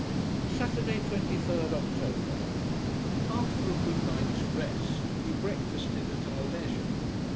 Saturday, 23d October After a good night's rest, we breakfasted at our leisure.